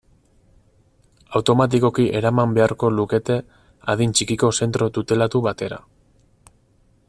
Automatikoki eraman beharko lukete adin txikiko zentro tutelatu batera.